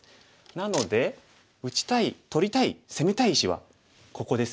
なので打ちたい取りたい攻めたい石はここですよね。